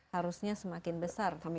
harusnya semakin besar